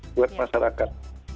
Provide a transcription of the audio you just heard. edukasi buat masyarakat